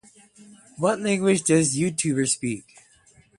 What language does the Youtuber speak?